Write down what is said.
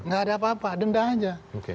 gak ada apa apa denda aja